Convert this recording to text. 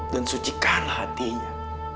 dan sucikanlah hatinya